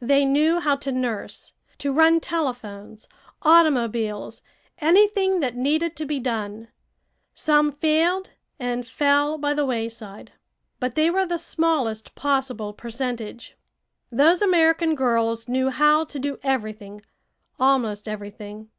They knew how to nurse, to run telephones, automobiles anything that needed to be done. Some failed and fell by the wayside, but they were the smallest possible percentage. Those American girls knew how to do everything almost everything.